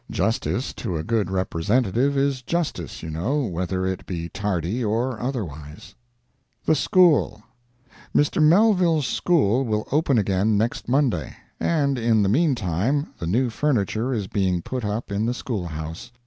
Justice to a good representative is justice, you know, whether it be tardy or otherwise. THE SCHOOL.—Mr. Mellvile's school will open again next Monday, and in the meantime the new furniture is being put up in the school house.